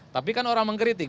tapi kan orang mengkritik